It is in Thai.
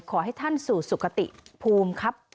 ขอให้ท่านสู่สุขติภูมิครับ